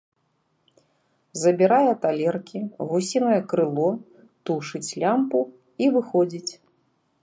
Забірае талеркі, гусінае крыло, тушыць лямпу і выходзіць.